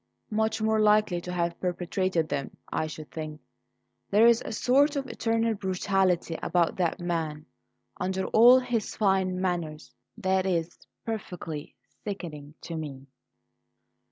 "Much more likely to have perpetrated them, I should think. There's a sort of internal brutality about that man, under all his fine manners, that is perfectly sickening to me."